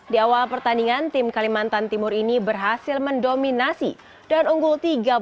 di awal pertandingan tim kalimantan timur ini berhasil mendominasi dan unggul tiga belas